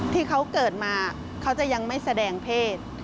ที่เขาเกิดมาเขาจะยังไม่แสดงเพศ